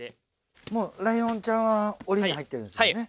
もうライオンちゃんは檻に入ってるんですよね？